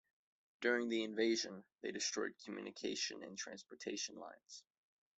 During the invasion, they destroyed communication and transportation lines.